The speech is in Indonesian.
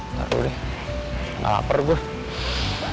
ntar dulu deh ga lapar gue